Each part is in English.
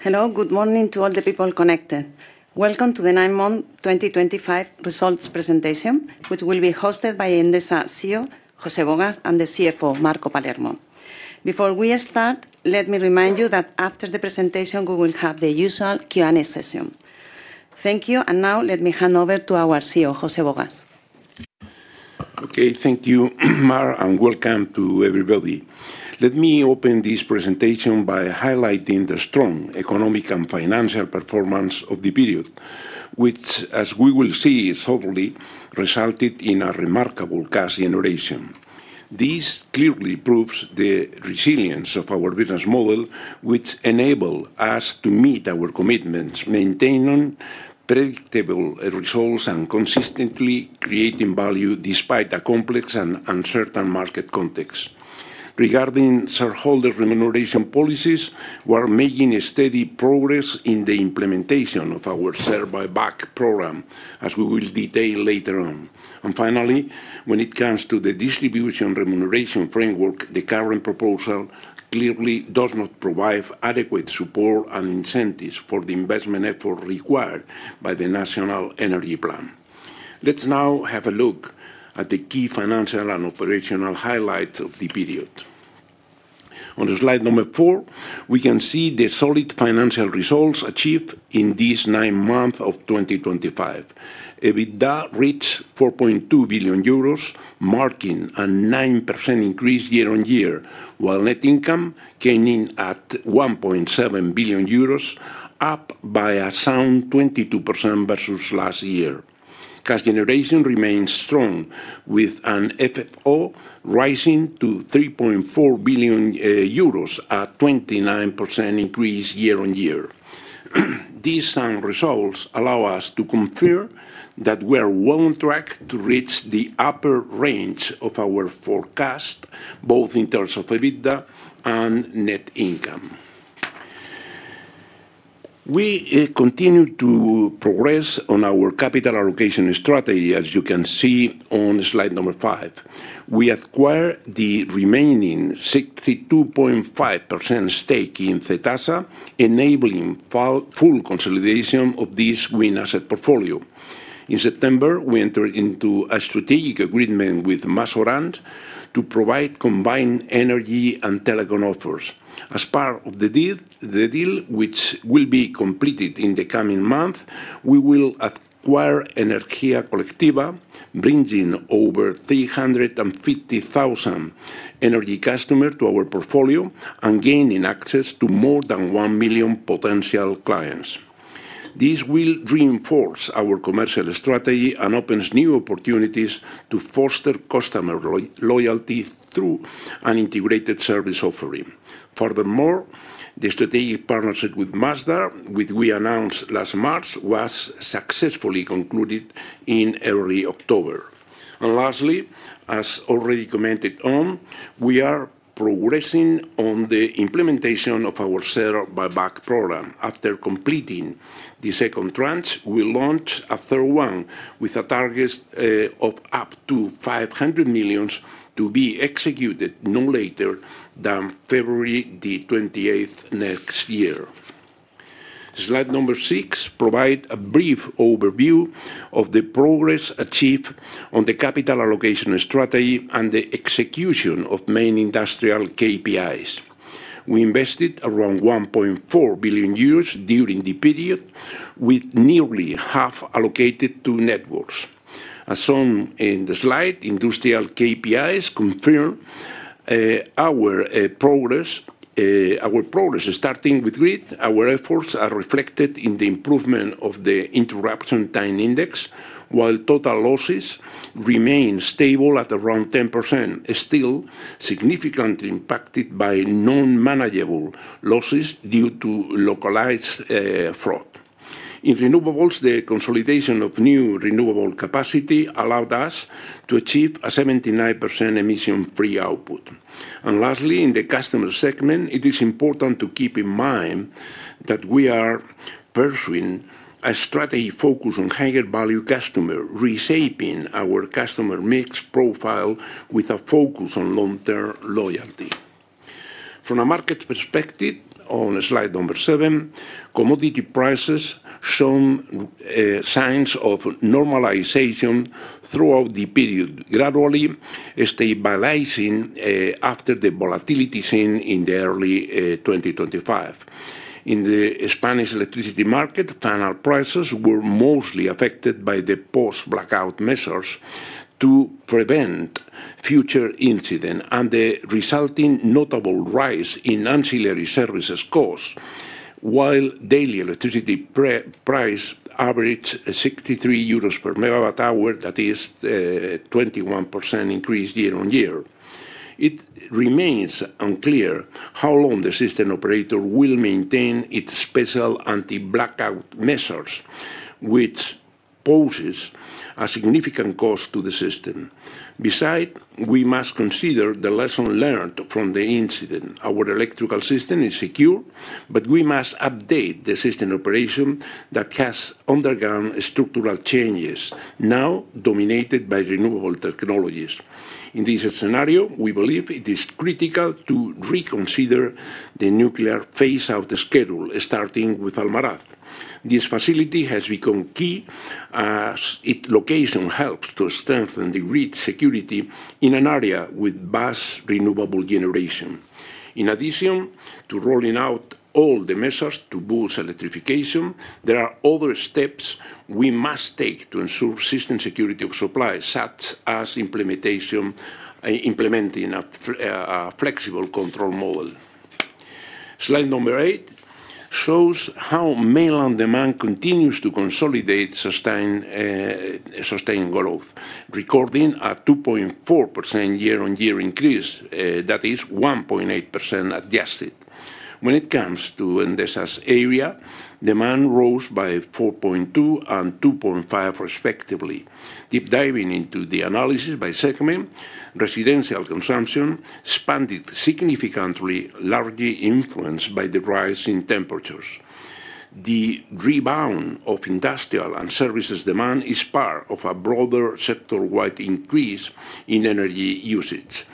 Hello, good morning to all the people connected. Welcome to the nine months 2025 results presentation which will be hosted by Endesa CEO José Bogas and the CFO Marco Palermo. Before we start, let me remind you that after the presentation we will have the usual Q&A session. Thank you. Now let me hand over to our CEO José Bogas. Okay, thank you Mar, and welcome to everybody. Let me open this presentation by highlighting the strong economic and financial of the period, which as we will see shortly resulted in a remarkable cash generation. This clearly proves the resilience of our business model which enable us to meet our commitments, maintaining predictable results and consistently creating value despite a complex and uncertain market context. Regarding shareholder remuneration policies, we are making steady progress in the implementation of our share buyback program as we will detail later on. Finally, when it comes to the distribution remuneration framework, the current proposal clearly does not provide adequate support and incentives for the investment effort required by the National Energy Plan. Let's now have a look at the key financial and operational highlights of the period. On slide number four, we can see the solid financial results achieved by in this nine months of 2025, EBITDA reached 4.2 billion euros, marking a 9% increase year-on-year, while net income came in at 1.7 billion euros, up by a sound 22% versus last year. Cash generation remains strong with an FFO rising to 3.4 billion euros, a 29% increase year-on-year. These results allow us to confirm that we are well on track to reach the upper range of our forecast, both in terms of EBITDA and net income. We continue to progress on our capital allocation strategy. As you can see on slide number five, we acquired the remaining 62.5% stake in Cetasa, enabling full consolidation of this wind asset portfolio. In September, we entered into a strategic agreement with MasOrange to provide combined energy and telecom offers. As part of the deal, which will be completed in the coming months, we will acquire Energía Colectiva, bringing over 350,000 energy customers to our portfolio and gaining access to more than 1 million potential clients. This will reinforce our commercial strategy and opens new opportunities to foster customer loyalty through an integrated service offering. Furthermore, the strategic partnership with Masdar, which we announced last March, was successfully concluded in early October. Lastly, as already commented on, we are progressing on the implementation of our share buyback program. After completing the second tranche, we will launch a third one with a target of up to 500 million to be executed no later than February 28 next year. Slide number six provides a brief overview of the progress achieved on the capital allocation strategy and the execution of main industrial KPIs. We invested around 1.4 billion euros during the period with nearly half allocated to networks as shown in the slide. Industrial KPIs confirm our progress. Starting with grid, our efforts are reflected in the improvement of the interruption time index while total losses remain stable at around 10%, still significantly impacted by non-manageable losses due to localized fraud in renewables. The consolidation of new renewable capacity allowed us to achieve a 79% emission-free output. Lastly, in the customer segment, it is important to keep in mind that we are pursuing a strategy focused on higher value customer, reshaping our customer mix profile with a focus on long-term loyalty. From a market perspective, on slide number seven, commodity prices show signs of normalization throughout the period, gradually stabilizing after the volatility seen in early 2025. In the Spanish electricity market, final prices were mostly affected by the post-blackout measures to prevent future incidents and the resulting notable rise in ancillary service costs. While daily electricity price averaged 63 euros per MWh, that is a 21% increase year-on-year. It remains unclear how long the system operator will maintain its special anti-blackout measures, which poses a significant cost to the system. Besides, we must consider the lesson learned from the incident. Our electrical system is secure, but we must update the system operation that has undergone structural changes, now dominated by renewable technologies. In this scenario, we believe it is critical to reconsider the nuclear phaseout schedule starting with Almaraz. This facility has become key as its location helps to strengthen the grid security in an area with vast renewable generation. In addition to rolling out all the measures to boost electrification, there are other steps we must take to ensure system security of supply, such as implementing a flexible control model. Slide number eight shows how mainland demand continues to consolidate sustained growth, recording a 2.4% year-on-year increase that is 1.8% adjusted. When it comes to Endesa's area, demand rose by 4.2% and 2.5% respectively. Deep diving into the analysis by segment, residential consumption spanned significantly, largely influenced by the rise in temperatures. The rebound of industrial and services demand is part of a broader sector wide increase in energy usage.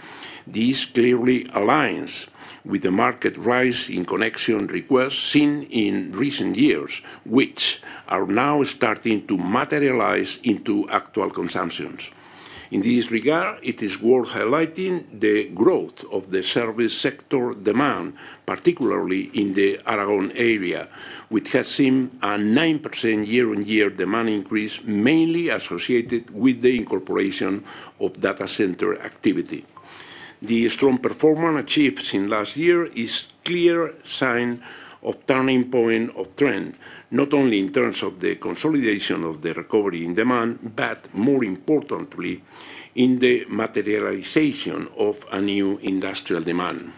This clearly aligns with the market rise in connection requests seen in recent years, which are now starting to materialize into actual consumptions. In this regard, it is worth highlighting the growth of the service sector demand, particularly in the Aragon area, which has seen a 9% year-on-year demand increase mainly associated with the incorporation of data center activity. The strong performance achieved since last year is a clear sign of a turning point of trend, not only in terms of the consolidation of the recovery in demand, but more importantly in the materialization of a new industrial demand.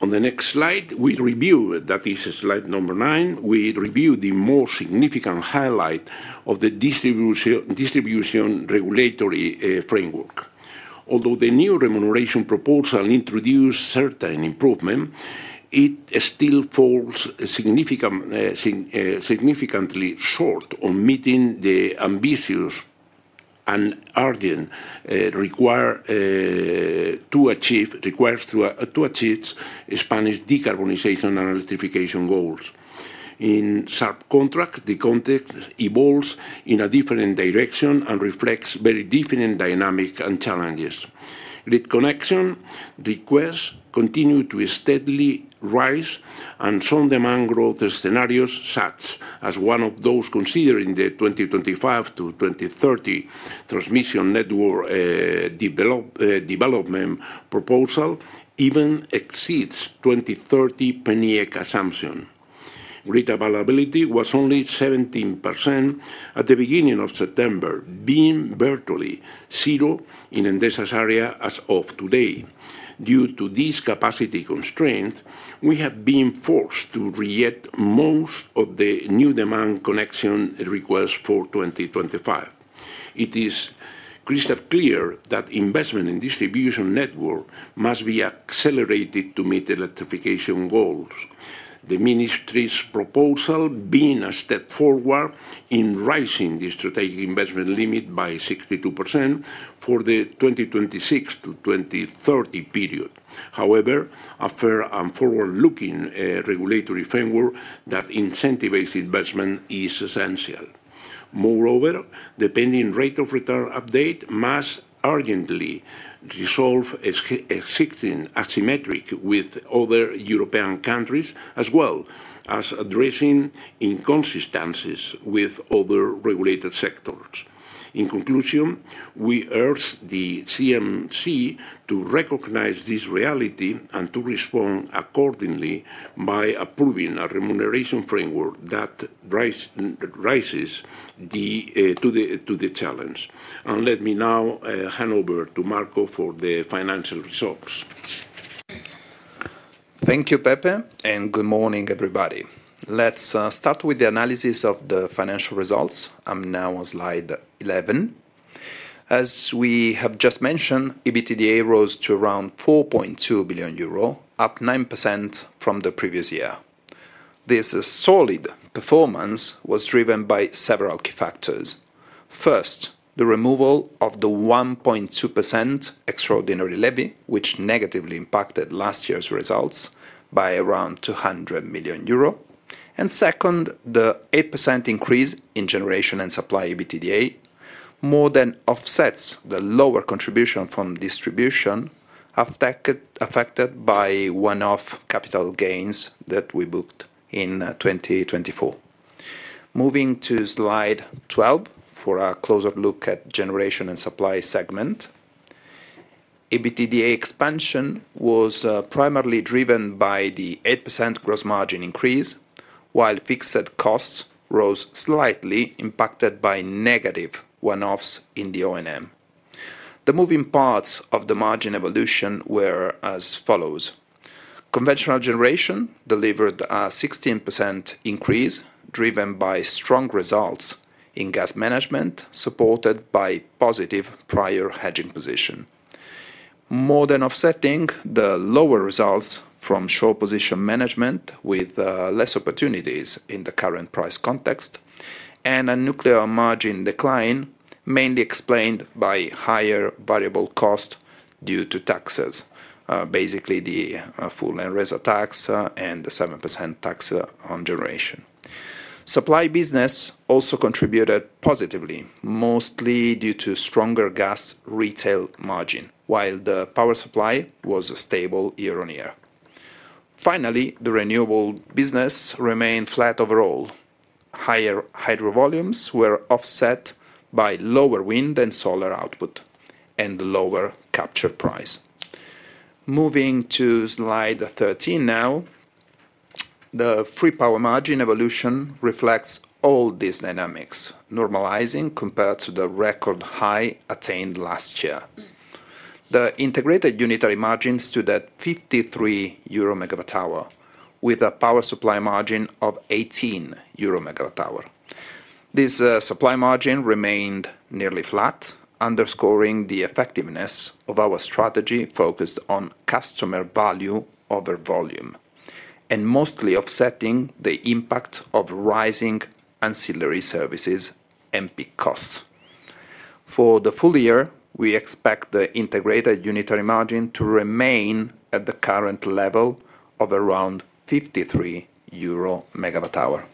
On the next slide we review, that is slide number nine, we review the most significant highlight of the distribution regulatory framework. Although the new remuneration proposal introduced certain improvement, it still falls significantly short on meeting the ambitious and urgent requirements to achieve Spanish decarbonization and electrification goals in sharp contrast. The context evolves in a different direction and reflects very different dynamics and challenges. Grid connection requests continue to steadily rise and some demand growth scenarios, such as one of those considered in the 2025-2030 Transmission Network Development proposal, even exceeds 2030 National Energy Plan assumptions. REIT availability was only 17% at the beginning of September, being virtually zero in Endesa's area as of today. Due to these capacity constraints, we have been forced to reject most of the new demand connection requests for 2025. It is crystal clear that investment in distribution network must be accelerated to meet electrification goals, the Ministry's proposal being a step forward in raising the strategic investment limit by 62% for the 2026-2030 period. However, a fair and forward looking regulatory framework that incentivizes investment is essential. Moreover, the pending rate of return update must urgently resolve existing asymmetry with other European countries as well as addressing inconsistencies with other regulated sectors. In conclusion, we urge the CMC to recognize this reality and to respond accordingly by approving a remuneration framework that rises to the challenge. Let me now hand over to Marco for the financial results. Thank you Pepe and good morning everybody. Let's start with the analysis of the financial results. I'm now on slide 11. As we have just mentioned, EBITDA rose to around 4.2 billion euro, up 9% from the previous year. This solid performance was driven by several key factors. First, the removal of the 1.2% extraordinary levy which negatively impacted last year's results by around 200 million euro and second, the 8% increase in generation and supply. EBITDA more than offsets the lower contribution from distribution affected by one-off capital gains that we booked in 2024. Moving to slide 12 for a closer look at the generation and supply segment. EBITDA expansion was primarily driven by the 8% gross margin increase, while fixed costs rose slightly, impacted by -1 offs in the O&M. The moving parts of the margin evolution were as conventional generation delivered a 16% increase driven by strong results in gas management supported by positive prior hedging position, more than offsetting the lower results from short position management with less opportunities in the current price context and a nuclear margin decline mainly explained by higher variable cost due to taxes. Basically, the full and reservoir tax and the 7% tax on generation. Supply business also contributed positively, mostly due to stronger gas retail margin while the power supply was stable year-on-year. Finally, the renewable business remained flat overall. Higher hydro volumes were offset by lower wind and solar output and lower capture price. Moving to slide 13 now, the free power margin evolution reflects all these dynamics, normalizing compared to the record high attained last year. The integrated unitary margin stood at 53 euro per MWh with a power supply margin of 18 euro per MWh. This supply margin remained nearly flat, underscoring the effectiveness of our strategy focused on customer value over volume and mostly offsetting the impact of rising ancillary service costs and peak costs for the full year. We expect the integrated unitary margin to remain at the current level of around 53 euro per MWh.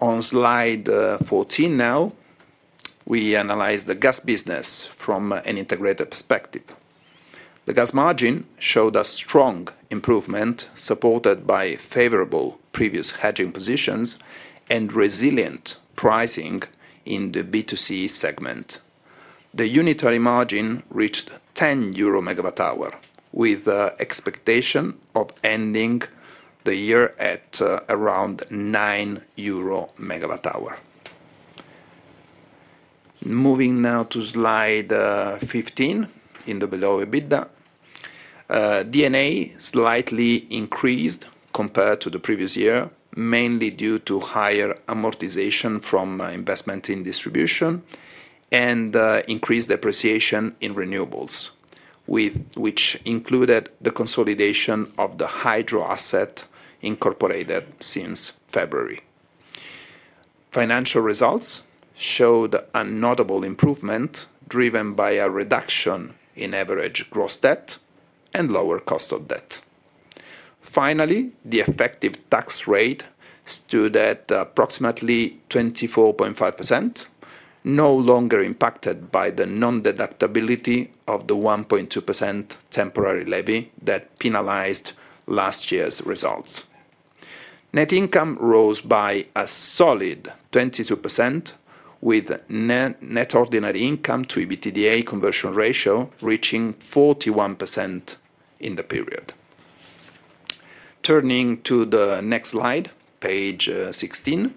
On slide 14 now we analyze the gas business from an integrated perspective. The gas margin showed a strong improvement supported by favorable previous hedging positions and resilient pricing. In the B2C segment, the unitary margin reached 10 euro per MWh with expectation of ending the year at around 9 euro MWh. Moving now to slide 15, in the below EBITDA D&A slightly increased compared to the previous year, mainly due to higher amortization from investment in distribution and increased depreciation in renewables, which included the consolidation of the Hydro Asset Inc. since February. Financial results showed a notable improvement, driven by a reduction in average gross debt and lower cost of debt. Finally, the effective tax rate stood at approximately 24.5%, no longer impacted by the non-deductibility of the 1.2% temporary levy that penalized last year's results. Net income rose by a solid 22%, with net ordinary income to EBITDA conversion ratio reaching 41% in the period. Turning to the next slide, page 16,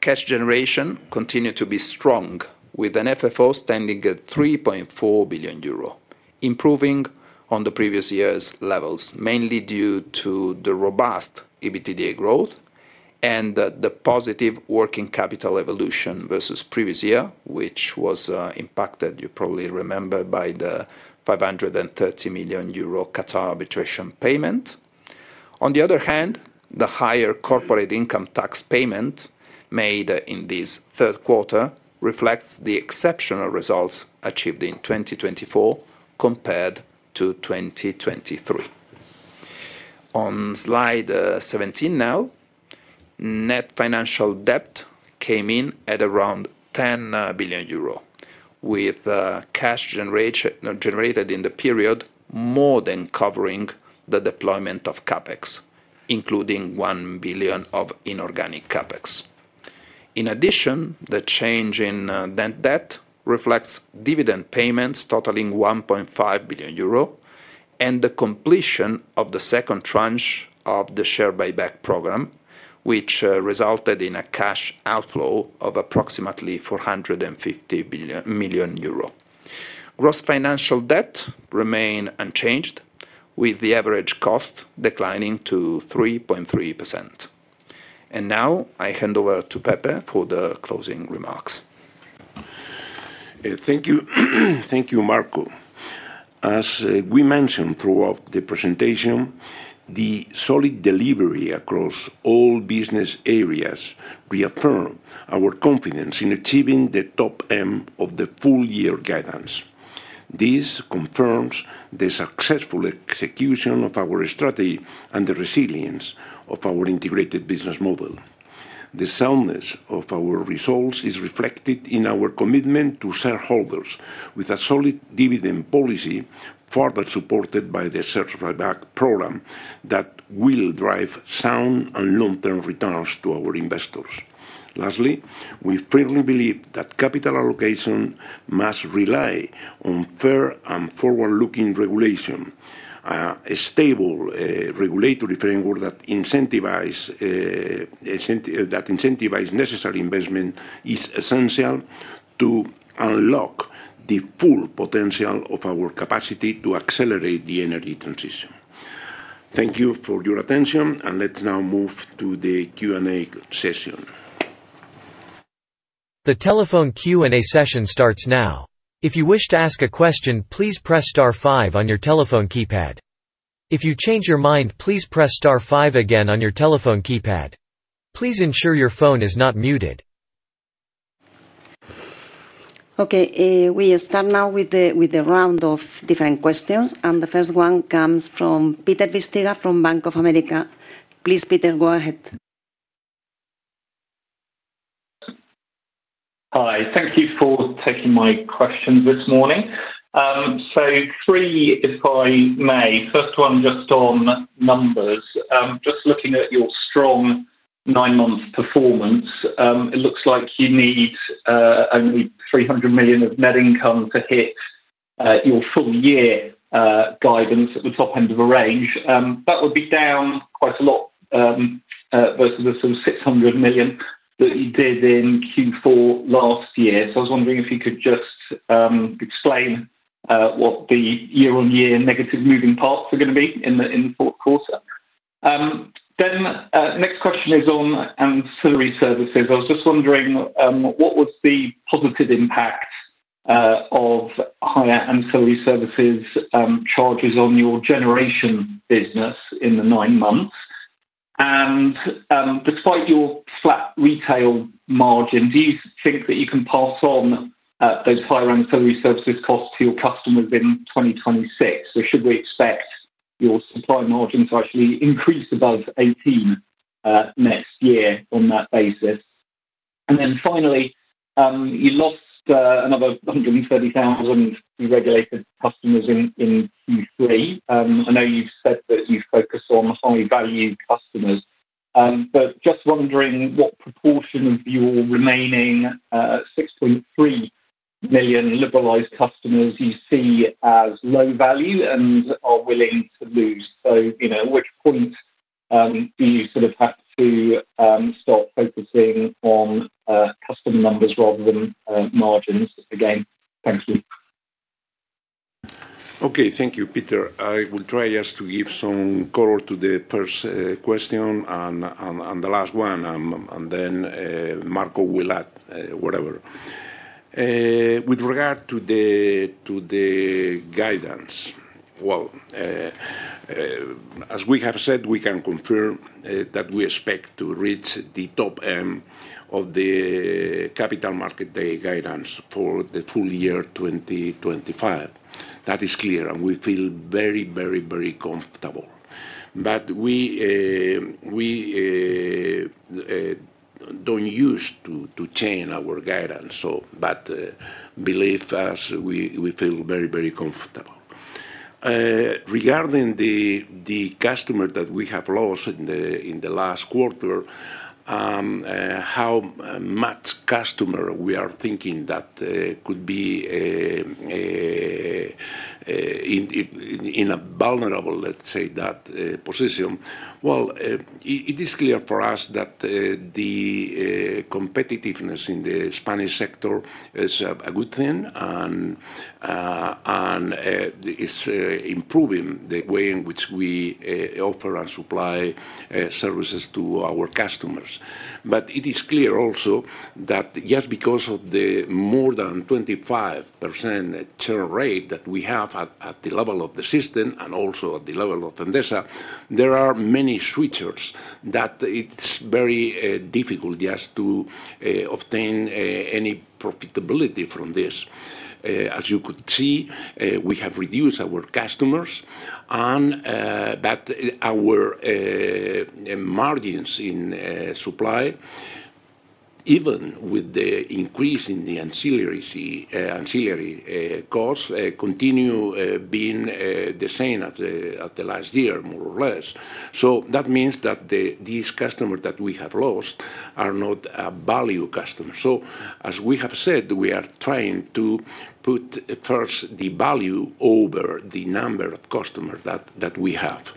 cash generation continued to be strong, with an FFO standing at 3.4 billion euro, improving on the previous year's levels mainly due to the robust EBITDA growth and the positive working capital evolution versus previous year, which was impacted, you probably remember, by the 530 million euro Qatar arbitration payment. On the other hand, the higher corporate income tax payment made in this third quarter reflects the exceptional results achieved in 2024 compared to 2023. On slide 17 now, net financial debt came in at around 10 billion euro, with cash generated in the period more than covering the deployment of CapEx, including 1 billion of inorganic CapEx. In addition, the change in net debt reflects dividend payments totaling 1.5 billion euro and the completion of the second tranche of the share buyback program, which resulted in a cash outflow of approximately 450 million euro. Gross financial debt remained unchanged, with the average cost declining to 3.3%. Now I hand over to Pepe for the closing remarks. Thank you. Thank you, Marco. As we mentioned throughout the presentation, the solid delivery across all business areas reaffirmed our confidence in achieving the top end of the full year guidance. This confirms the successful execution of our strategy and the resilience of our integrated business model. The soundness of our results is reflected in our commitment to shareholders with a solid dividend policy, further supported by the share buyback program that will drive sound and long term returns to our investors. Lastly, we firmly believe that capital allocation must rely on fair and forward looking regulation. A stable regulatory framework that incentivizes necessary investment is essential to unlock the full potential of our capacity to accelerate the energy transition. Thank you for your attention. Let's now move to the Q&A session. The telephone Q&A session starts now. If you wish to ask a question, please press star five on your telephone keypad. If you change your mind, please press star five again on your telephone keypad. Please ensure your phone is not muted. Okay, we start now with the round of different questions, and the first one comes from Peter Bisztyga from Bank of America, please. Peter, go ahead. Hi, thank you for taking my questions this morning. Three if I may. First one just on numbers. Just looking at your strong nine month performance, it looks like you need only 300 million of net income to hit your full year guidance. At the top end of a range that would be down quite a lot versus 600 million that you did in Q4 last year. I was wondering if you could just explain what the year-on-year negative moving parts are going to be in the fourth quarter. Next question is on ancillary services. I was just wondering what was the positive impact of higher ancillary service costs on your generation business in the nine months, and despite your flat retail margin, do you think that you can pass on those higher ancillary service costs to your customers in 2026? Should we expect your supply margin to actually increase above 18% next year on that basis? Finally, you lost another 130,000 deregulated customers in Q3. I know you've said that you focus on high value customers, but just wondering what proportion of your remaining 6.3 million liberalised customers you see as low value and are willing to lose. At which point do you sort of have to start focusing on customer numbers rather than margins? Again, thank you. Okay, thank you, Peter. I will try just to give some color to the first question and the last one and then Marco will add whatever with regard to the guidance. As we have said, we can confirm that we expect to reach the top end of the capital market day guidance for the full year 2025. That is clear and we feel very, very, very comfortable. We don't use to change our guidance but believe us, we feel very, very comfortable regarding the customer that we have lost in the last quarter, how much customer we are thinking that could be in a vulnerable, let's say, that position. It is clear for us that the competitiveness in the Spanish sector is a good thing and is improving the way in which we offer and supply services to our customers. It is clear also that just because of the more than 25% churn rate that we have at the level of the system and also at the level of Endesa, there are many switchers that it's very difficult just to obtain any profitability from this. As you could see, we have reduced our customers but our margins in supply, even with the increase in the ancillary service costs, continue being the same at the last year, more or less. That means that these customers that we have lost are not a value customer. As we have said, we are trying to put first the value over the number of customers that we have.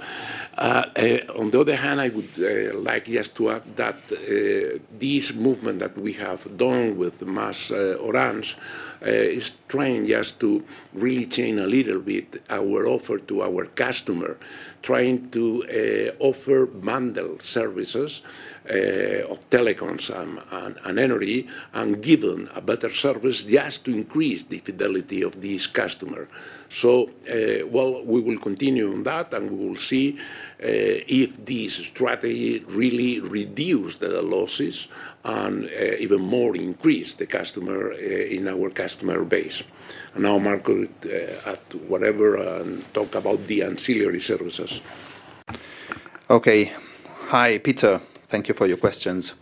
On the other hand, I would like just to add that this movement that we have done with MasOrange is trying just to really change a little bit our offer to our customer, trying to offer bundled services of telecoms and energy and giving a better service just to increase the fidelity of these customers. We will continue that and we will see if this strategy really reduces the losses and even more increases the customer in our customer base. Now Marco at whatever and talk about the ancillary services. Okay. Hi Peter, thank you for your questions.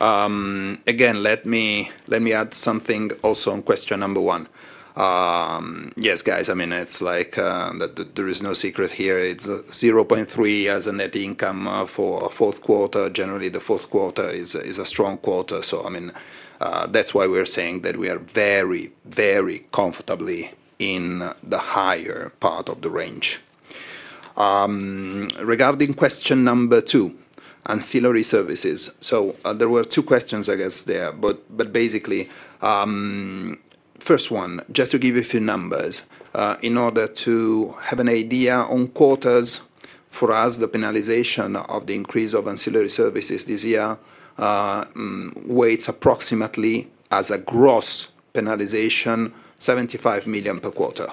Again, let me add something also on question number one. Yes guys, I mean it's like there is no secret here, it's 0.3 as a net income for fourth quarter. Generally the fourth quarter is a strong quarter. That's why we're saying that we are very, very comfortably in the higher part of the range. Regarding question number two, ancillary service costs. There were two questions I guess there, but basically first one, just to give you a few numbers in order to have an idea on quarters for us, the penalization of the increase of ancillary service costs this year weighs approximately as a gross penalization 75 million per quarter.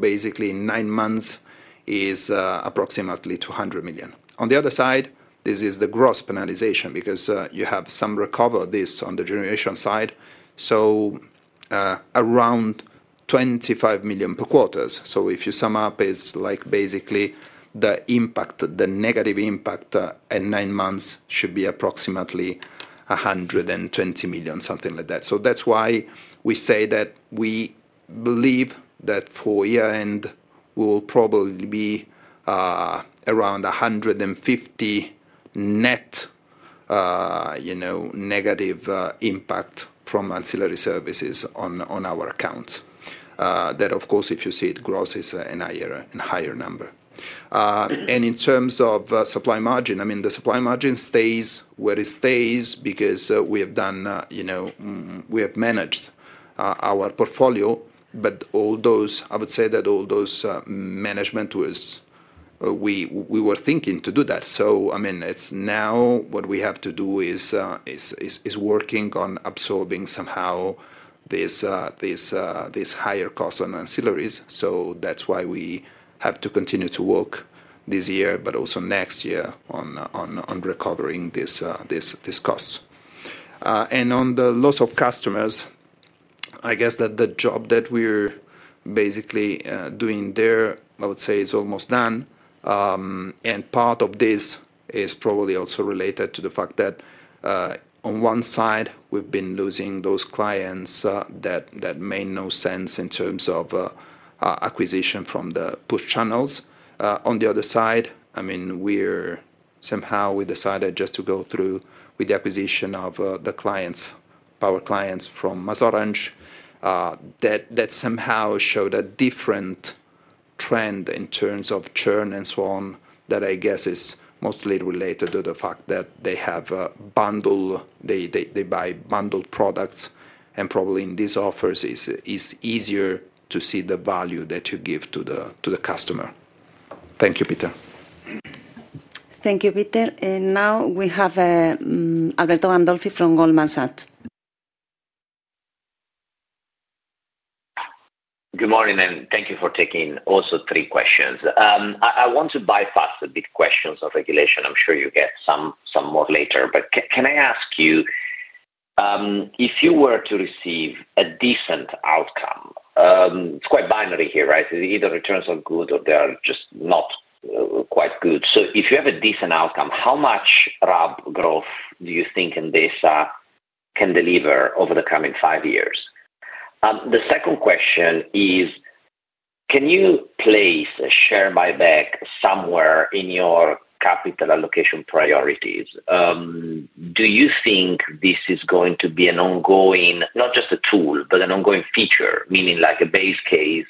Basically nine months is approximately 200 million. On the other side, this is the gross penalization because you have some recover this on the generation side, so around 25 million per quarter. If you sum up, it's like basically the impact, the negative impact in nine months should be approximately 120 million, something like that. That's why we say that we believe that for year end will probably be around 150 million net, you know, negative impact from ancillary service costs on our account. That of course if you see it grosses a higher number and in terms of supply margin, I mean the supply margin stays where it stays because we have done, you know, we have managed to our portfolio. All those, I would say that all those management we were thinking to do that. I mean it's now what we have to do is working on absorbing somehow these higher costs on ancillaries. That's why we have to continue to work this year but also next year on recovering this, these costs and on the loss of customers. I guess that the job that we're basically doing there I would say is almost done. Part of this is probably also related to the fact that on one side we've been losing those clients that made no sense in terms of acquisition from the push channels. On the other side, I mean we're somehow we decided just to go through with the acquisition of the clients, power clients from MasOrange that somehow showed a different trend in terms of churn and so on. That I guess is mostly related to the fact that they have bundled, they buy bundled products and probably in these offers it's easier to see the value that you give to the customer. Thank you, Peter. Thank you, Peter. Now we have Alberto Gandolfi from Goldman Sachs. Good morning and thank you for taking also three questions. I want to bypass a big question of regulation. I'm sure you get some more later. Can I ask you if you were to receive a decent outcome? It's quite binary here, right? Either returns are good or they are just not. If you have a decent outcome, how much RAB growth do you think Endesa can deliver over the coming five years? The second question is can you place a share buyback somewhere in your capital allocation priorities. Do you think this is going to be an ongoing, not just a tool, but an ongoing feature, meaning like a base case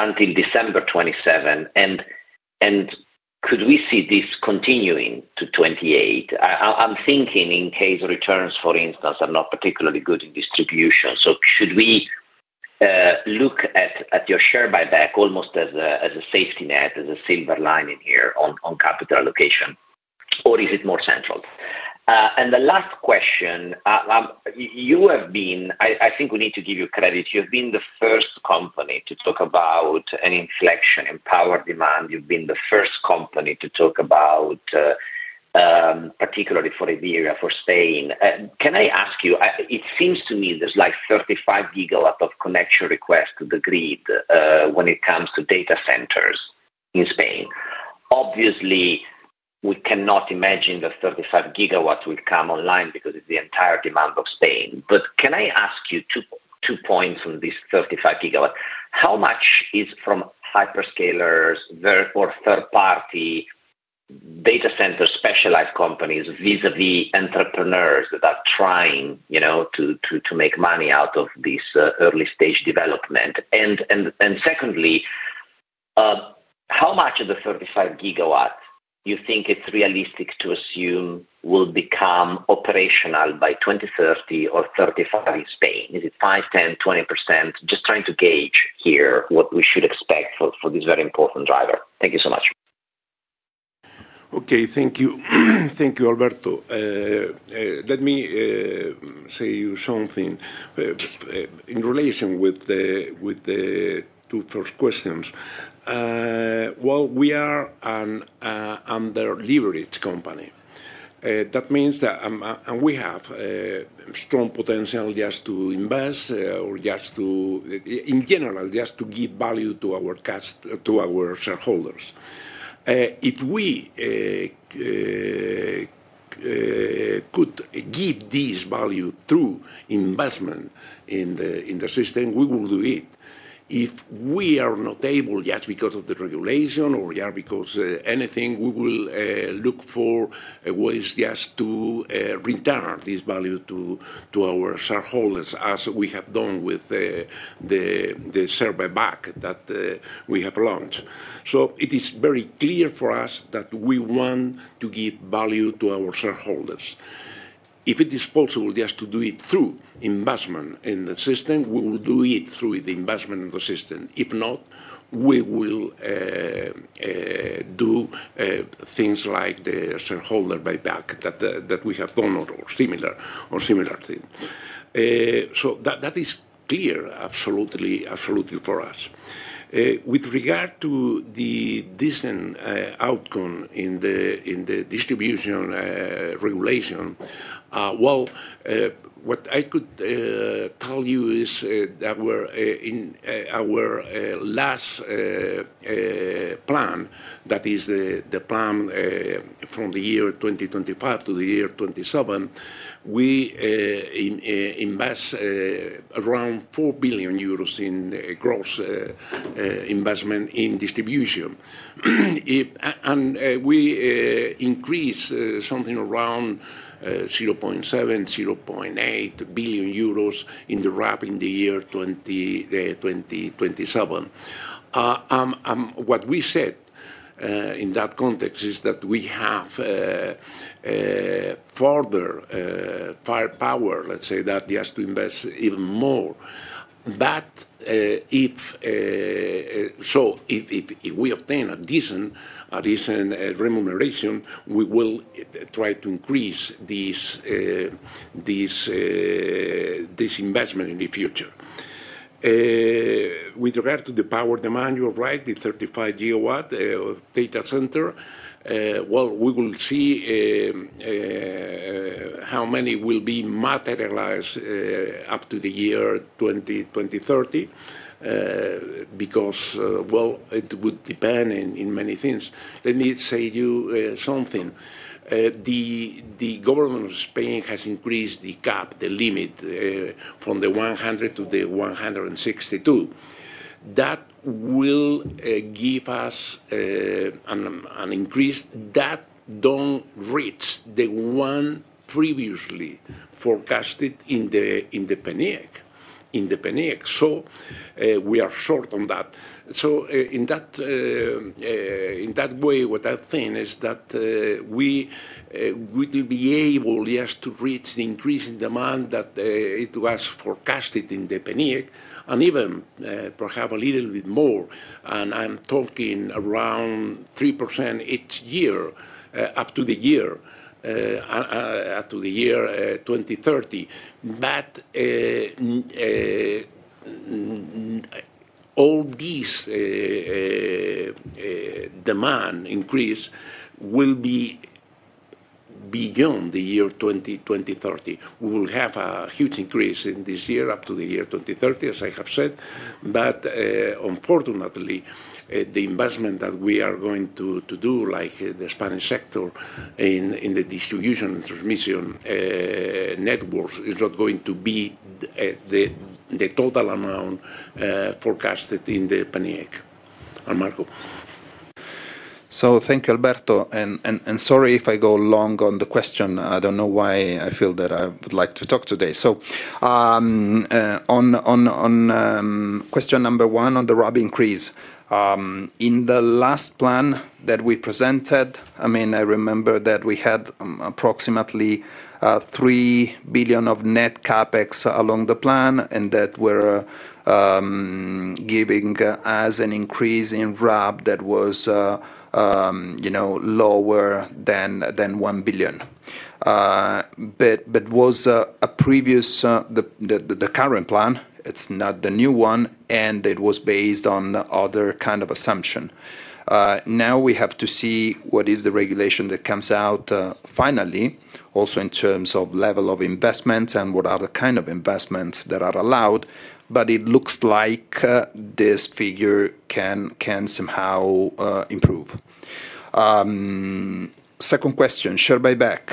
until December 2027. Could we see this continuing to 2028? I'm thinking in case returns, for instance, are not particularly good in distribution. Should we look at your share buyback almost as a safety net, as a silver lining here on capital allocation, or is it more central? The last question, I think we need to give you credit. You've been the first company to talk about an inflection power demand. You've been the first company to talk about particularly for Iberia, for Spain. Can I ask you, it seems to me there's like 35 GW of connection requests to the grid when it comes to data centers in Spain. Obviously we cannot imagine that 35 GW will come online because it's the entire demand of Spain. Can I ask you two points on this 35 GW, how much is from hyperscalers or third party data center specialized companies vis a vis entrepreneurs that are trying to make money out of this early stage development? Secondly, how much of the 35 GW you think it's realistic to assume will become operational by 2030 or 2035 in Spain? Is it 5%, 10%, 20%? Just trying to gauge here what we should expect for this very important driver. Thank you so much. Okay, thank you. Thank you. Alberto, let me say you something in relation with the two first questions. We are an under leveraged company. That means that we have strong potential just to invest or just to invest in general, just to give value to our cash to our shareholders. If we could give this value through investment in the system, we will do it. If we are not able, just because of the regulation or because anything, we will look for ways just to return this value to our shareholders as we have done with the share buyback that we have launched. It is very clear for us that we want to give value to our shareholders. If it is possible just to do it through investment in the system, we will do it through the investment in the system. If not, we will do things like the whole owner buyback that we have done or similar thing. That is clear. Absolutely, absolutely. For us with regard to the decent outcome in the distribution regulation, what I could tell you is that in our last plan, that is the plan from the year 2025 to the year 2027, we invest around 4 billion euros in gross investment in distribution and we increase something around 0.7 billion, 0.8 billion euros in the wrapping the year 2027. What we said in that context is that we have further firepower, let's say, to invest even more. If we obtain a decent remuneration, we will try to increase this investment in the future. With regard to the power demand, you write the 35 gigawatt data center. We will see how many will be materialized up to the year 2030 because it would depend on many things. Let me say you something. The government of Spain has increased the cap, the limit from the 100 to the 162. That will give us an increase that doesn't reach the one previously forecasted in the National Energy Plan. We are on that. In that way, what I think is that we would be able to reach the increase in demand that was forecasted in the National Energy Plan and even perhaps a little bit more. I'm talking around 3% each year up to the year 2030. All this demand increase will be beyond the year 2030. We will have a huge increase in this year up to the year 2030, as I have said. Unfortunately, the investment that we are going to do like the Spanish sector in the distribution and transmission networks is not going to be the total amount forecasted in the National Energy Plan. Thank you, Alberto, and sorry if I go long on the question. I don't know why I feel that I would like to talk today. On question number one on the RAB increase, in the last plan that we presented, I remember that we had approximately 3 billion of net CapEx along the plan and that was giving us an increase in RAB that was lower than EUR 1 billion. That was previous to the current plan, that's not the new one, and it was based on other kinds of assumptions. Now we have to see what is the regulation that comes out finally, also in terms of level of investments and what are the kinds of investments that are allowed. It looks like this figure can somehow improve. Second question, share buyback.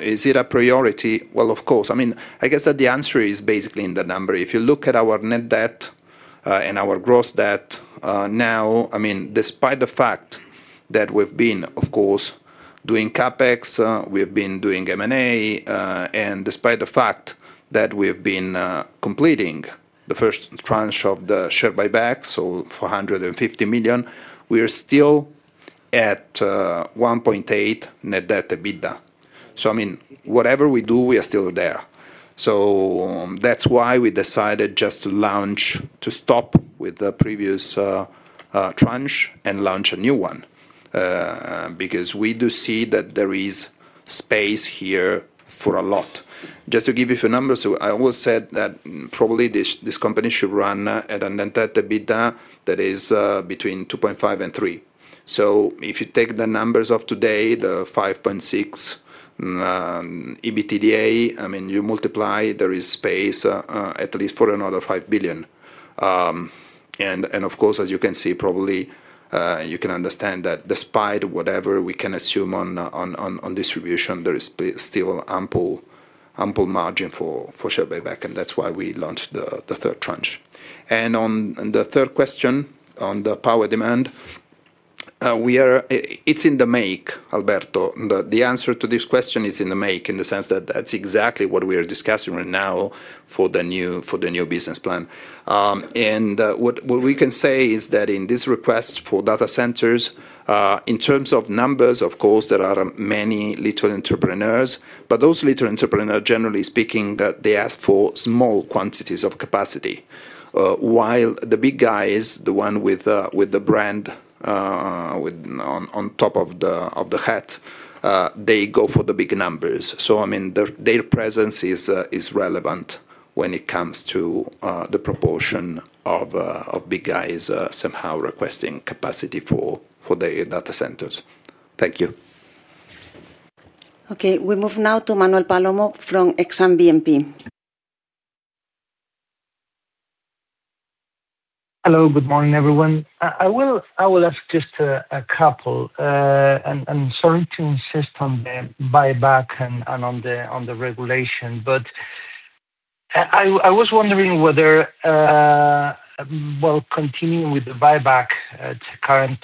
Is it a priority? Of course, I guess that the answer is basically in the number. If you look at our net debt and our gross debt now, despite the fact that we've been doing CapEx, we have been doing M&A, and despite the fact that we have been completing the first tranche of the share buyback, so 450 million, we are still at 1.8 net debt EBITDA. Whatever we do, we are still there. That's why we decided to stop with the previous tranche and launch a new one, because we do see that there is space here for a lot. Just to give you a few numbers, I always said that probably this company should run at an entire EBITDA that is between 2.5 and 3. If you take the numbers of today, the 5.6 billion EBITDA, you multiply, there is space at least for another 5 billion. As you can see, probably you can understand that despite whatever we can assume on distribution, there is still ample margin for share buyback. That's why we launched the third tranche. On the third question on the power demand, it's in the making. Alberto, the answer to this question is in the making, in the sense that that's exactly what we are discussing right now for the new business plan. What we can say is that in this request for data centers, in terms of numbers, of course, there are many little entrepreneurs, but those little entrepreneurs, generally speaking, ask for small quantities of capacity, while the big guys, the ones with the brand on top of the hat, go for the big numbers. Their presence is relevant when it comes to the proportion of big guys somehow requesting capacity for the data centers. Thank you. Okay, we move now to Manuel Palomo from Exane BNP. Hello, good morning everyone. I will ask just a couple, and sorry to insist on the buyback and on the regulation, but I was wondering whether continuing with the buyback at current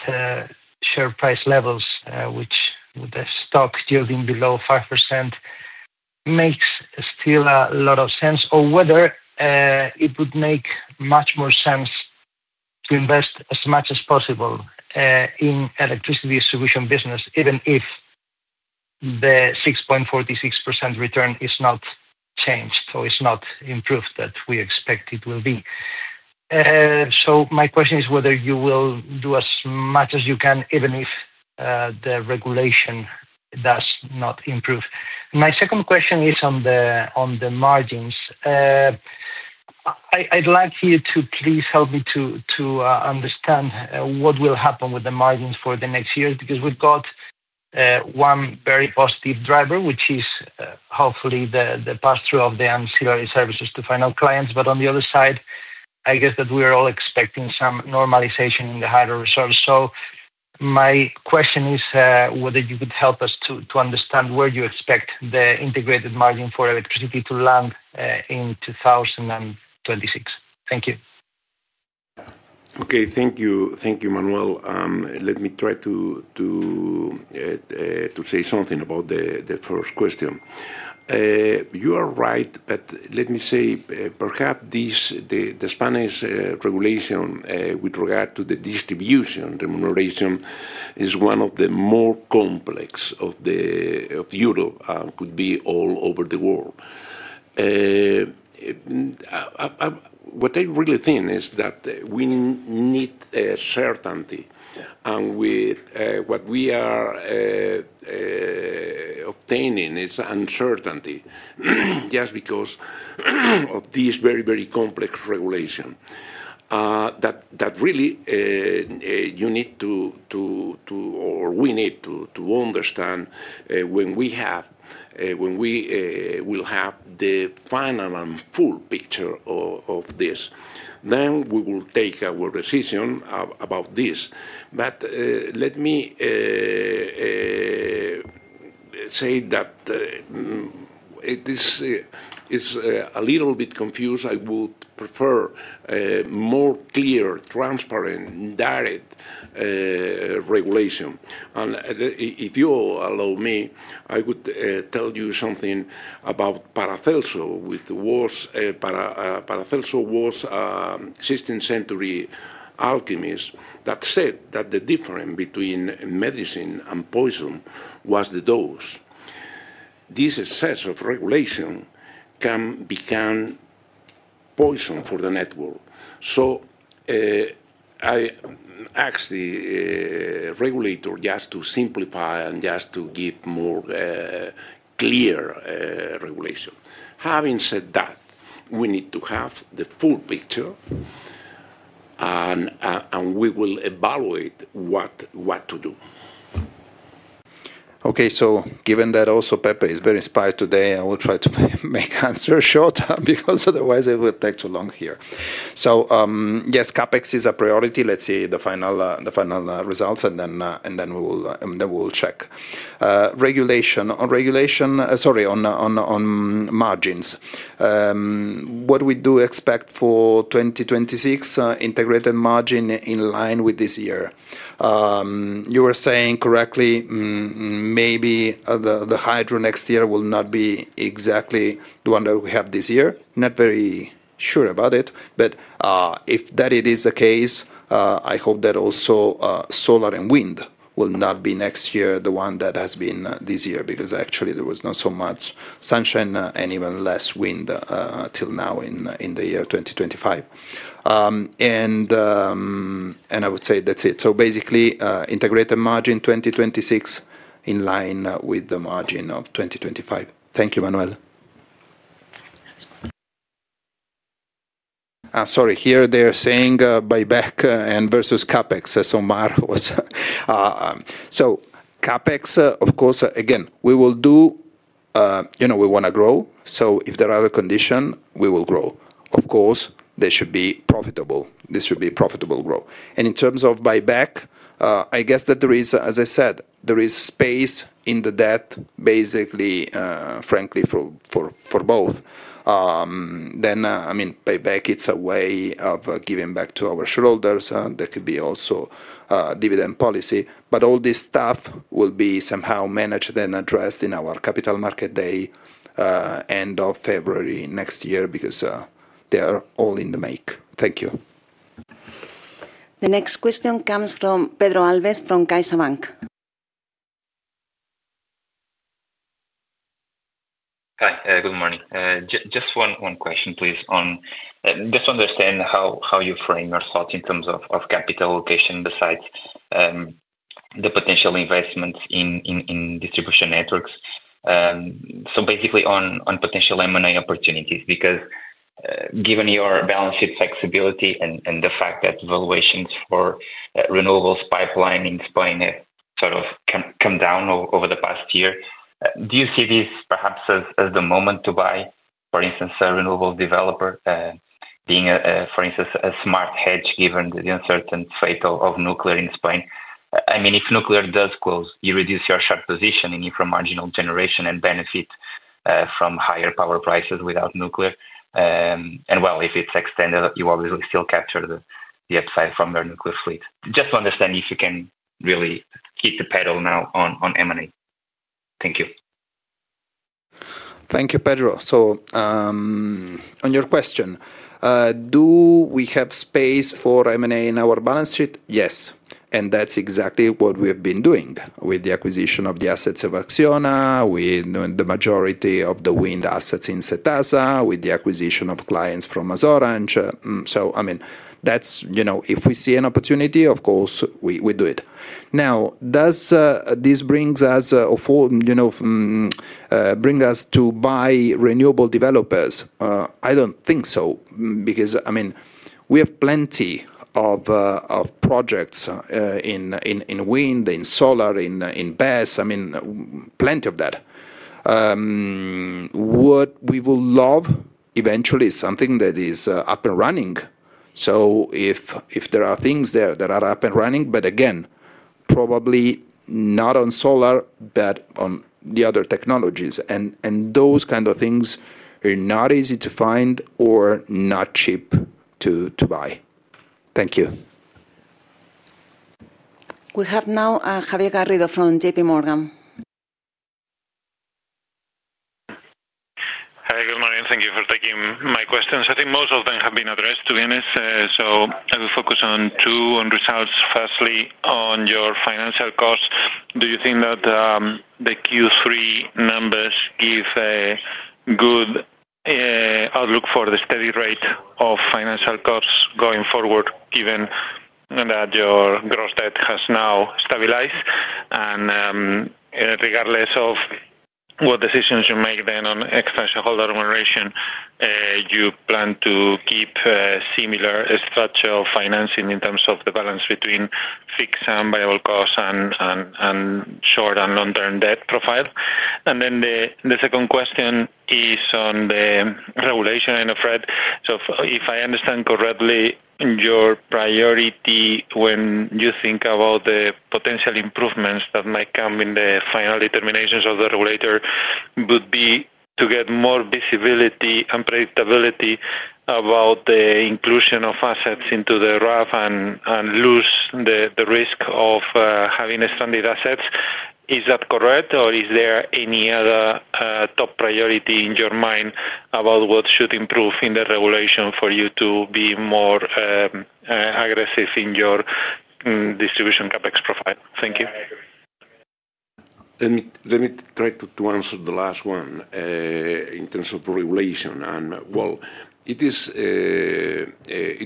share price levels, which with the stock still being below 5% makes still a lot of sense, or whether it would make much more sense to invest as much as possible in electricity distribution business, even if the 6.46% return is not changed or it's not improved that we expect it will be. My question is whether you will do as much as you can even if the regulation does not improve. My second question is on the margins. I'd like you to please help me to understand what will happen with the margins for the next years, because we've got one very positive driver which is hopefully the pass through of the ancillary service costs to final clients. On the other side, I guess that we are all expecting some normalization in the hydro reserves. My question is whether you could help us to understand where you expect the integrated margin for electricity to land in 2026. Thank you. Okay, thank you. Thank you. Manuel, let me try to say something about the first question. You are right. Perhaps the Spanish regulation with regard to the distribution remuneration is one of the more complex of Europe, could be all over the world. What I really think is that we need certainty and what we are obtaining is uncertainty, just because of this very, very complex regulation that really you need to, or we need to understand. When we have, when we will have the final and full picture of this, we will take our decision about this. This is a little bit confused. I would prefer more clear, transparent, direct regulation. If you allow me, I could tell you something about Paracelso. Paracelso was a 16th century alchemist that said that the difference between medicine and poison was the dose. This excess of regulation can become poison for the network. I ask the regulator just to simplify and just to give more clear regulation. Having said that, we need to have the full picture and we will evaluate what to do. Okay, so given that also Pepe is very inspired today, I will try to make answers short because otherwise it will take too long here. Yes, CapEx is a priority. Let's see the final results and then we will check regulation. On regulation, sorry, on margins, what we do expect for 2026 integrated margin in line with this year. You were saying correctly, maybe the hydro next year will not be exactly the one that we have this year. Not very sure about it. If that is the case, I hope that also solar and wind will not be next year the one that has been this year because actually there was not so much sunshine and even less wind till now in the year 2025. I would say that's it. Basically, integrated margin 2026 in line with the margin of 2025. Thank you. Manuel, Sorry, here they're saying buyback and versus CapEx. Mar was so CapEx. Of course, again we will do, you know, we want to grow. If there are a condition, we will grow. Of course, they should be profitable. This should be profitable growth. In terms of buyback, I guess that there is, as I said, there is space in the debt basically, frankly, for both. Buyback, it's a way of giving back to our shareholders. That could be also dividend policy. All this stuff will be somehow managed and addressed in our capital market day end of February next year because they are all in the make. Thank you. The next question comes from Pedro Alves from Kaisavank. Hi, good morning. Just one question, please just understand how you frame your thoughts in terms of capital allocation besides the potential investments in distribution networks. Basically on potential M&A opportunities because given your balance sheet flexibility and the fact that valuations for renewables pipeline in Spain have sort of come down over the past year, do you see this perhaps as the moment to buy for instance a renewable developer being for instance a smart hedge given the uncertain fate of nuclear in Spain? I mean if nuclear does close, you reduce your short position in infra marginal generation and benefit from higher power prices without nuclear. If it's extended, you obviously still capture the upside from your nuclear fleet. Just to understand if you can really hit the pedal now on M&A. Thank you. Thank you, Pedro. On your question, do we have space for M&A in our balance sheet? Yes, and that's exactly what we have been doing with the acquisition of the assets of Acciona, with the majority of the wind assets in Cetasa, with the acquisition of clients from MasOrange. If we see an opportunity, of course we do it. Now, does this bring us to buy renewable developers? I don't think so, because we have plenty of projects in wind, in solar, in BESS, plenty of that. What we will love eventually is something that is up and running. If there are things there that are up and running, but again probably not on solar, but on the other technologies, and those kind of things are not easy to find or not cheap to buy. Thank you. We have now Javier Garrido from JPMorgan. Hi, good morning. Thank you for taking my questions. I think most of them have been addressed, to be honest. I will focus on two results. Firstly, on your financial costs. Do you think that the Q3 numbers give a good outlook for the steady rate of financial costs going forward? Given that your gross debt has now stabilized and regardless of what decisions you make on external holder remuneration, you plan to keep similar structure of financing in terms of the balance between fixed variable costs and short and long term debt profile. The second question is on the regulation in Endesa. If I understand correctly, your priority when you think about the potential improvements that might come in the final determinations of the regulator would be to get more visibility and predictability about the inclusion of assets into the RAF and lose the risk of having. Is that correct? Is there any other top priority in your mind about what should improve in the regulation for you to be more aggressive in your distribution CapEx profile? Thank you. Let me try to answer the last one. In terms of regulation, it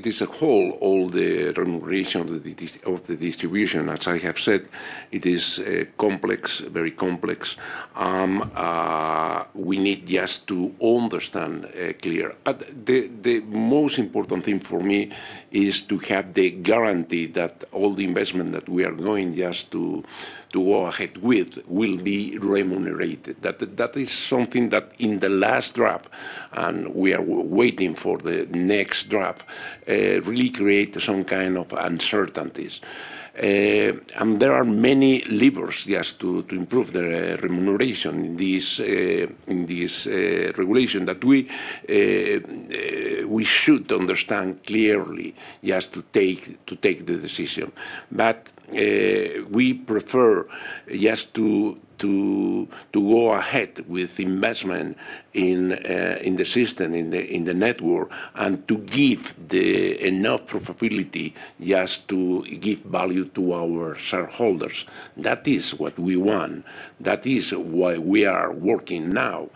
is a whole. All the remuneration, the distribution, as I have said, it is complex, very complex. We need just to understand clearly, the most important thing for me is to have the guarantee that all the investment that we are going just to go ahead with will be remunerated. That is something that in the last draft, and we are waiting for the next draft, really creates some kind of uncertainties. There are many levers just to improve the remuneration in this regulation that we should understand clearly just to take the decision. We prefer just to go ahead with investment in the system, in the network, and to give enough profitability just to give value to our shareholders. That is what we want. That is why we are working now.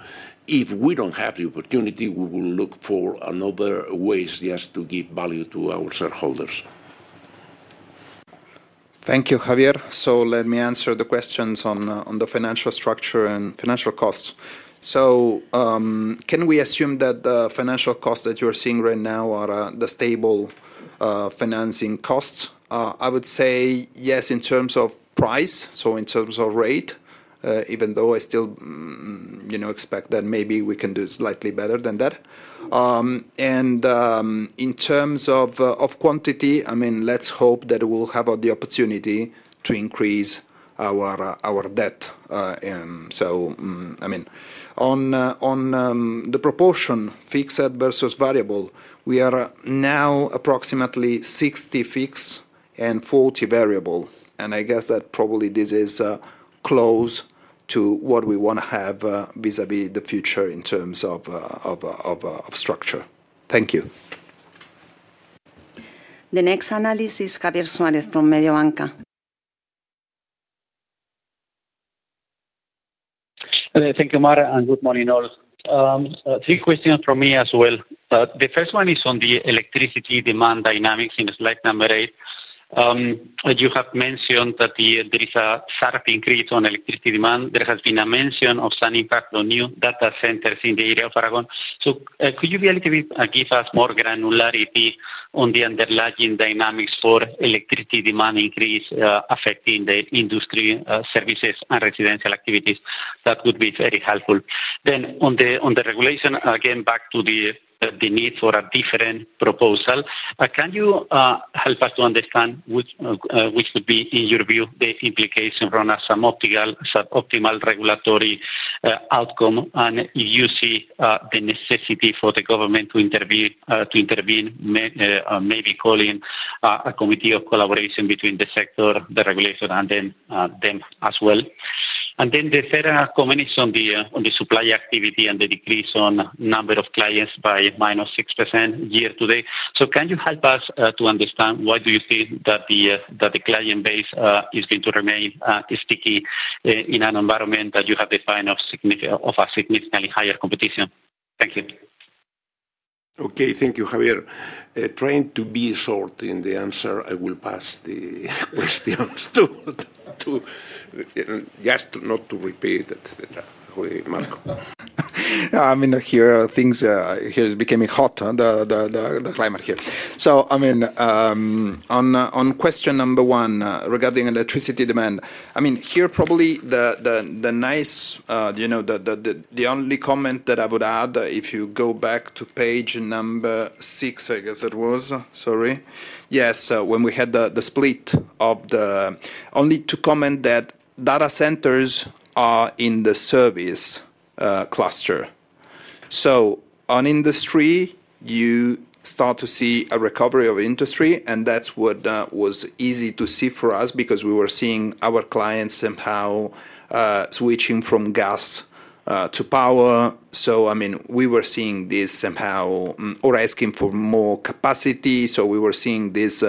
If we don't have the opportunity, we will look for other ways just to give value to our shareholders. Thank you, Javier. Let me answer the questions on the financial structure and financial costs. Can we assume that the financial costs that you are seeing right now are the stable financing costs? I would say yes, in terms of price. In terms of rate, even though I still expect that maybe we can do slightly better than that. In terms of quantity, let's hope that we'll have the opportunity to increase our debt. On the proportion fixed versus variable, we are now approximately 60% fixed and 40% variable. I guess that probably this is close to what we want to have vis a vis the future in terms of structure. Thank you. The next analyst is Javier Suárez from Mediobanca. Thank you, Mar. And good morning. All three questions from me as well. The first one is on the electricity demand dynamics. In slide number eight, you have mentioned that there is a sharp increase in electricity demand. There has been a mention of some impact on new data centers in the area of Aragon. Could you give us more granularity on the underlying dynamics for electricity demand increase affecting the industry, services, and residential activities? That would be very helpful. On the regulation, again, back to the need for a different proposal. Can you help us to understand which would be, in your view, the implications from optimal regulatory outcome? Do you see the necessity for the government to intervene, maybe calling a committee of collaboration between the sector, the regulator, and them as well? The third comment is on the supply activity and the decrease in number of clients by -6% year to date. Can you help us to understand why you think that the client base is going to remain sticky in an environment that you have defined as significantly higher competition? Thank you. Okay, thank you, Javier. Trying to be short in the answer, I will pass the questions to just not to repeat. I mean here things are becoming hot, the climate here. On question number one regarding electricity demand, probably the only comment that I would add, if you go back to page number six, when we had the split, is that data centers are in the service cluster. On industry, you start to see a recovery of industry, and that's what was easy to see for us because we were seeing our clients somehow switching from gas to power. We were seeing this, or asking for more capacity, so we were seeing this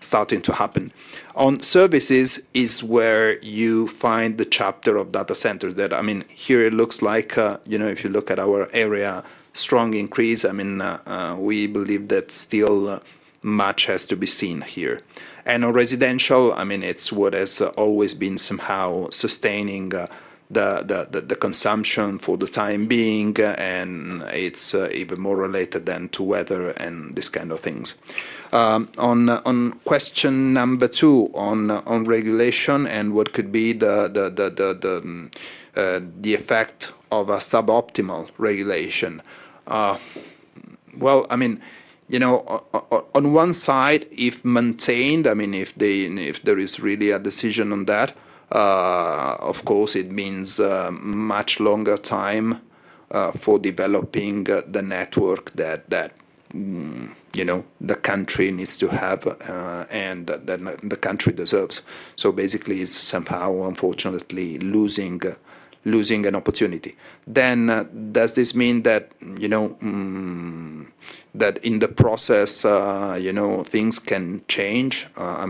starting to happen. On services is where you find the chapter of data centers. If you look at our area, there is a strong increase. We believe that still much has to be seen here. On residential, it's what has always been somehow sustaining the consumption for the time being, and it's even more related to weather and these kinds of things. On question number two on regulation and what could be the effect of a suboptimal regulation, on one side if maintained, if there is really a decision on that, of course it means much longer time for developing the network that the country needs to have and the country deserves. Basically, it's somehow unfortunately losing an opportunity. Does this mean that in the process things can change? I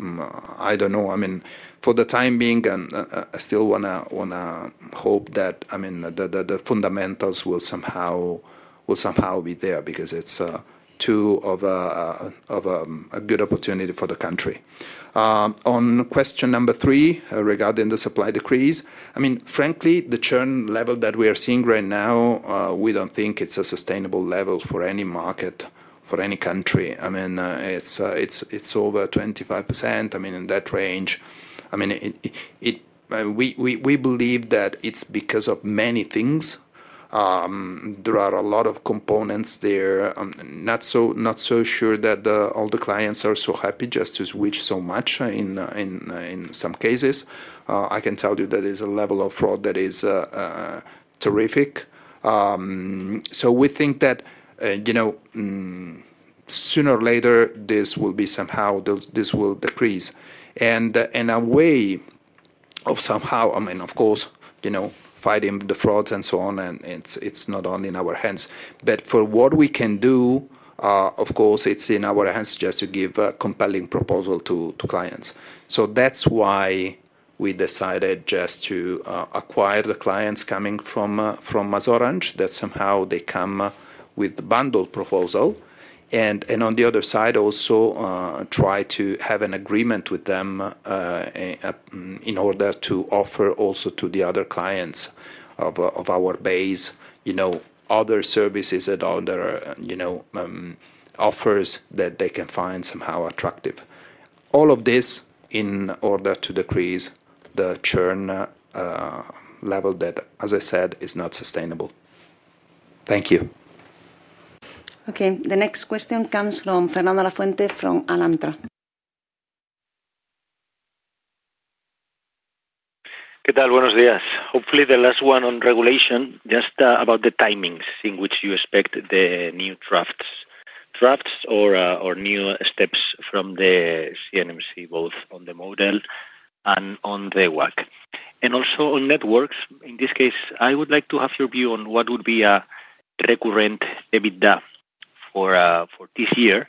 don't know. For the time being, I still want to hope that the fundamentals will somehow be there because it's too good an opportunity for the country. On question number three regarding the supply decrease, frankly the churn level that we are seeing right now, we don't think it's a sustainable level for any market, for any country. It's over 25%, in that range. We believe that it's because of many things. There are a lot of components there. Not so sure that all the clients are so happy just to switch so much. In some cases, I can tell you that there's a level of fraud that is terrific. We think that sooner or later this will decrease, in a way of fighting the frauds and so on. It's not only in our hands, but for what we can do, of course it's in our hands just to give a compelling proposal to clients. That is why we decided just to acquire the clients coming from MasOrange that somehow they come with the bundle proposal, and on the other side also try to have an agreement with them in order to offer also to the other clients of our base other services and other offers that they can find somehow attractive, all of this in order to decrease the churn level that, as I said, is not sustainable. Thank you. Okay, the next question comes from Fernando Lafuente from Alantra. Que tal? Buenos días. Hopefully the last one on regulation, just about the timings in which you expect the new drafts, drafts or new steps from the CNMC, both on the model and on the WACC and also on networks. In this case, I would like to have your view on what would be a recurrent EBITDA for this year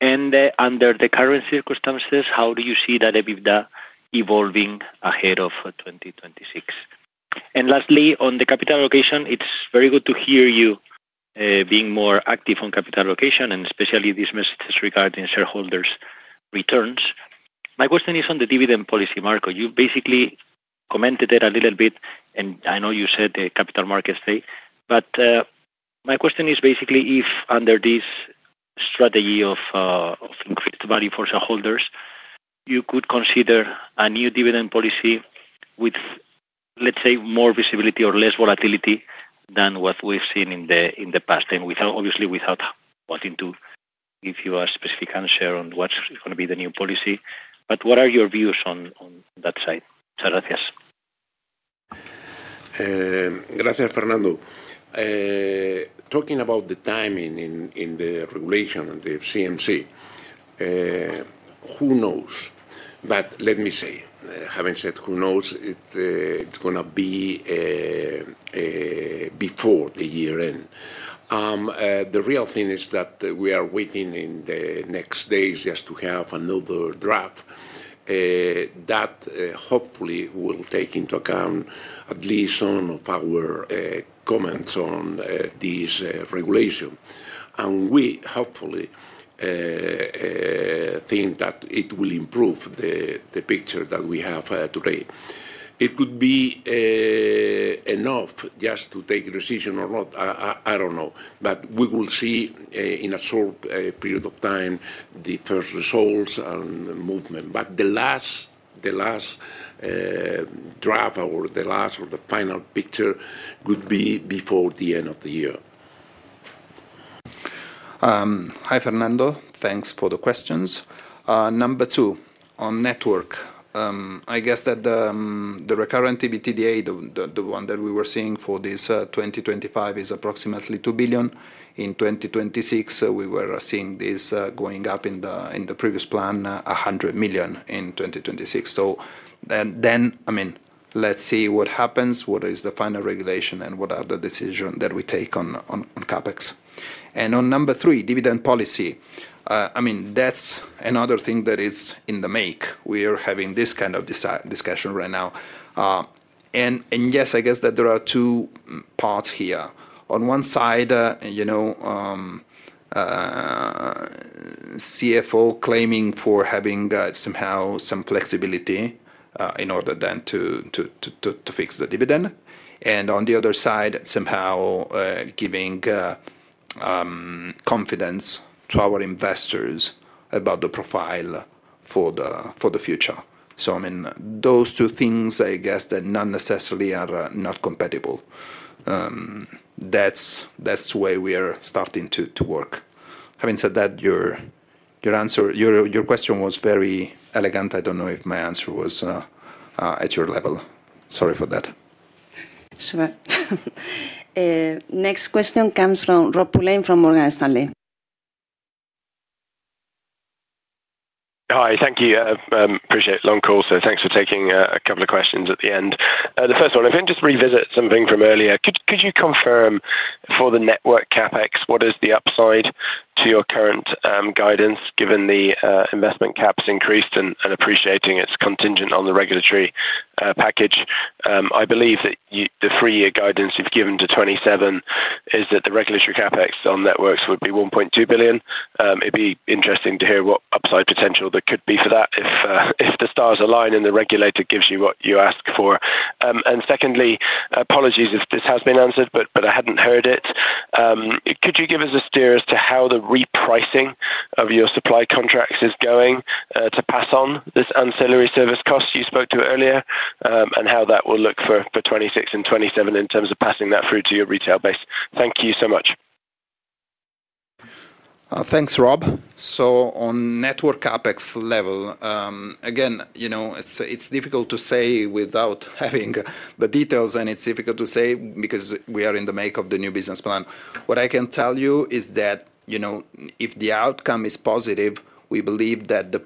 and under the current circumstances, how do you see that EBITDA evolving ahead of 2026? Lastly, on the capital allocation, it's very good to hear you being more active on capital allocation and especially these messages regarding shareholders returns. My question is on the dividend policy, Marco, you basically commented it a little bit and I know you said capital markets day, but my question is basically if under this strategy of increased value for shareholders, you could consider a new dividend policy with, say, more visibility or less volatility than what we've seen in the past. Obviously, without wanting to give you a specific answer on what's going to be the new policy, what are your views on that side. Fernando, talking about the timing in the regulation of the CMC, who knows. Let me say, having said who knows it's going to be before the year end. The real thing is that we are waiting in the next days just to have another draft that hopefully will take into account at least some of our comments on these regulations. We hopefully think that it will improve the picture that we have today. It could be enough just to take decision or not, I don't know. We will see in a short period of time the first results and movement. The last draft or the final picture could be before the end of the year. Hi Fernando, thanks for the questions. Number two on network, I guess that the recurrent EBITDA, the one that we were seeing for this 2025, is approximately 2 billion in 2026. We were seeing this going up in the previous plan, 100 million in 2026. I mean let's see what happens, what is the final regulation, and what are the decisions that we take on CapEx. On number three, dividend policy, I mean that's another thing that is in the make. We are having this kind of discussion right now and yes, I guess that there are two parts here. On one side, you know, CFO claiming for having somehow some flexibility in order then to fix the dividend and on the other side somehow giving confidence to our investors about the profile for the future. I mean those two things I guess that not necessarily are not compatible. That's the way we are starting to work. Having said that, your question was very elegant. I don't know if my answer was at your level, sorry for that. Sure. Next question comes from Rob Pulleyn from Morgan Stanley. Hi, thank you, appreciate long call. Thanks for taking a couple of questions at the end. The first one, if I just revisit something from earlier, could you confirm for the network CapEx what is the upper side to your current guidance? Given the investment caps increased and appreciating it's contingent on the regulatory package. I believe that the three-year guidance you've given to 2027 is that the regulatory CapEx on networks would be 1.2 billion. It'd be interesting to hear what upside potential there could be for that if the stars align and the regulator gives you what you ask for. Secondly, apologies if this has been answered, but I hadn't heard it. Could you give us a steer as to how the repricing of your supply contracts is going to pass on this ancillary service cost you spoke to earlier and how that will look for 2026 and 2027 in terms of passing that through to your retail base. Thank you so much. Thanks Rob. On network CapEx level again, you know it's difficult to say without having the details, and it's difficult to say because we are in the make of the new business plan. What I can tell you is that if the outcome is positive, we believe that the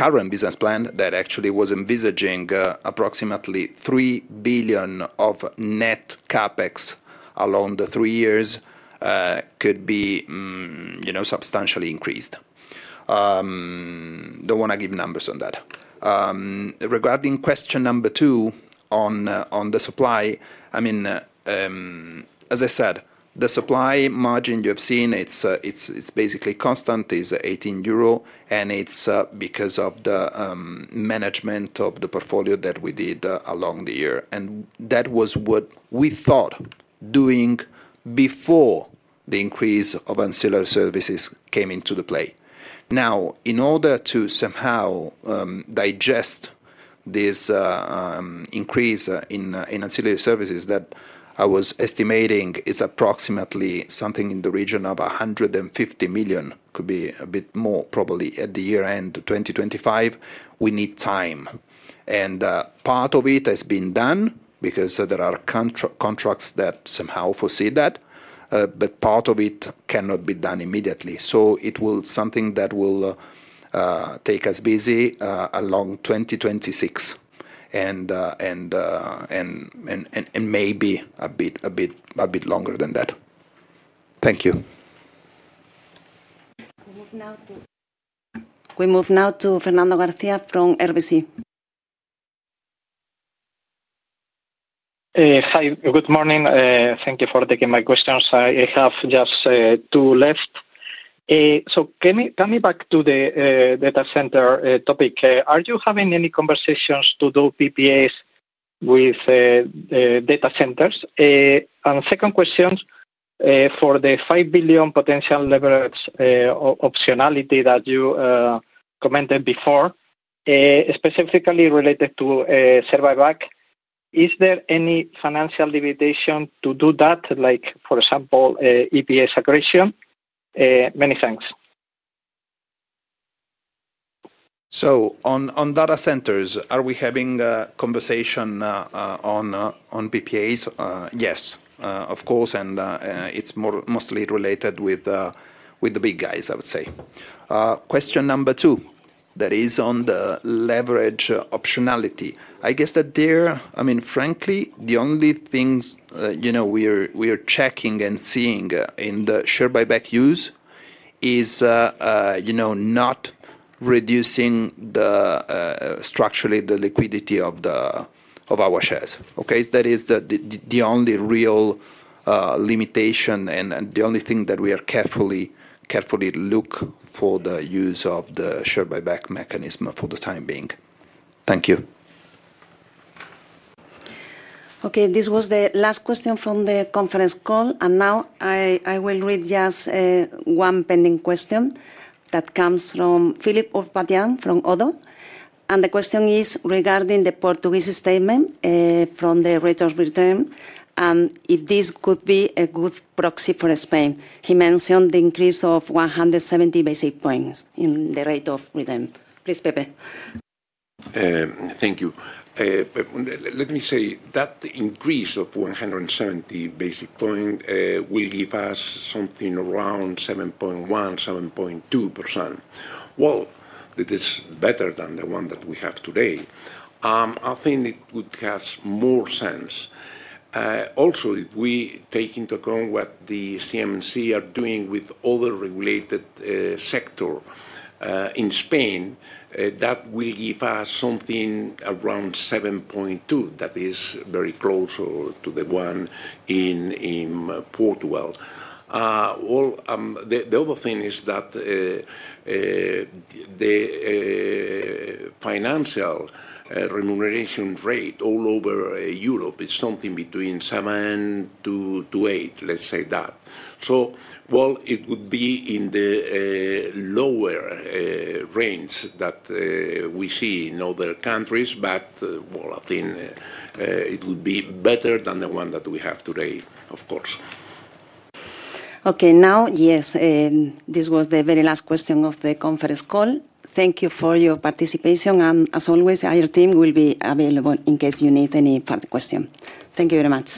current business plan that actually was envisaging approximately 3 billion of net CapEx along the three years could be substantially increased. I don't want to give numbers on that. Regardless, in question number two on the supply, I mean as I said the supply margin you have seen, it's basically constant, is 18 euro, and it's because of the management of the portfolio that we did along the year and that was what we thought doing before the increase of ancillary service costs came into play. In order to somehow digest this increase in ancillary service costs that I was estimating is approximately something in the region of 150 million. Could be a bit more probably at the year end 2025. We need time and part of it has been done because there are contracts that somehow foresee that. Part of it cannot be done immediately. It will be something that will take us busy along 2026 and maybe a bit longer than that. Thank you. We move now to Fernando Garcia from RBC. Hi, good morning. Thank you for taking my questions. I have just two left. Coming back to the data center topic, are you having any conversations to do PPAs with data centers? Second question, for the 5 billion potential leverage optionality that you commented before specifically related to Servevac, is there any financial limitation to do that, like for example EPS accretion? Many thanks. On data centers, are we having conversation on BPAs? Yes, of course. It's mostly related with the big guys. I would say question number two that is on the leverage optionality. I guess that there, frankly the only things we are checking and seeing in the share buyback use is not reducing structurally the liquidity of our shares. That is the only real limitation and the only thing that we are carefully look for the use of the share buyback mechanism for the time being. Thank you. Okay, this was the last question from the conference call and now I will read just one pending question that comes from Philip O'Patian from ODDO. The question is regarding the Portuguese statement from the rate of return and if this could be a good proxy for Spain. He mentioned the increase of 170 basis points in the rate of return. Please Pepe. Thank you. Let me say that increase of 170 basis points will give us something around 7.1, 7.2%. It is better than the one that we have today. I think it would have more sense also if we take into account what the CMC are doing with all the regulated sector in Spain that will give us something around 7.2%. That is very close to the one in Portugal. The other thing is that the financial remuneration rate all over Europe is something between 7%-8%. Let's say that. It would be in the lower range that we see in other countries. It would be better than the one that we have today, of course. Okay, now yes, this was the very last question of the conference call. Thank you for your participation and as always our team will be available in case you need any further question. Thank you very much.